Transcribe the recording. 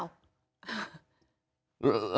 เอ้า